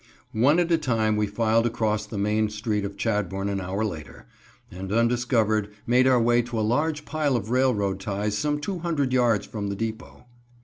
One at a time we filed across the main street of Chadbourn an hour later, and, undiscovered, made our way to a large pile of railroad ties some two hundred yards from the depot.